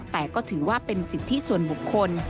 แต่ก็ถือว่าเป็นสิทธิส่วนบุคคล